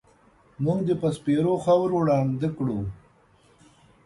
مونږ دې په سپېرو خاورو ړانده کړو